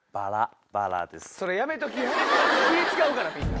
気ぃ使うからみんな。